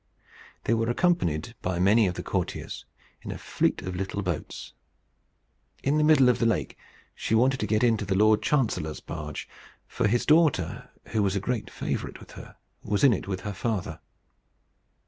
They were accompanied by many of the courtiers in a fleet of little boats. In the middle of the lake she wanted to get into the lord chancellor's barge, for his daughter, who was a great favourite with her, was in it with her father.